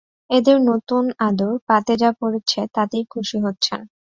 এঁদের নূতন আদর, পাতে যা পড়ছে তাতেই খুশি হচ্ছেন।